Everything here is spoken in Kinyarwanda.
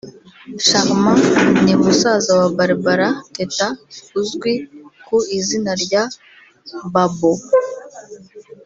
Charmant ni musaza wa Barbara Teta uzwi ku izina rya Babo